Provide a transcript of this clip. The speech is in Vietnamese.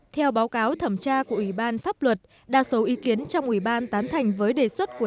theo báo cáo thẩm tra của ủy ban pháp luật đa số ý kiến trong ủy ban tán thành với đề xuất của